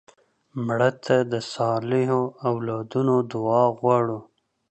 مړه ته د صالحو اولادونو دعا غواړو